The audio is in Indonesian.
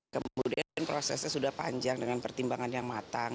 kemudian prosesnya sudah panjang dengan pertimbangan yang matang